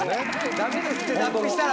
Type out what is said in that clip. ダメですって脱皮したら。